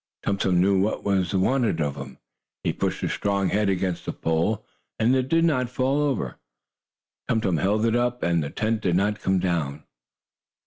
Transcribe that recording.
Tum Tum knew what was wanted of him. He pushed his strong head against the pole, and it did not fall over. Tum Tum held it up, and the tent did not come down.